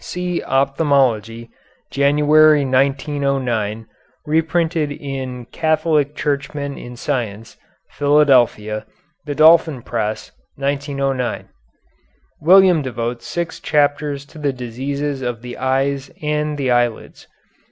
See Ophthalmology (January, 1909), reprinted in "Catholic Churchmen in Science," Philadelphia, The Dolphin Press, 1909. William devotes six chapters to the diseases of the eyes and the eyelids.